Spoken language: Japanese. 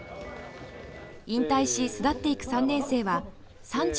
引退し巣立っていく３年生は３７人です。